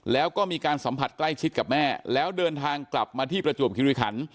แล้วก็มีการสัมผัสใกล้ชิดกับแม่แล้วเดินทางกลับมาที่ประจวบคิริขัน